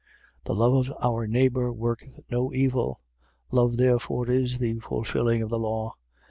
13:10. The love of our neighbour worketh no evil. Love therefore is the fulfilling of the law.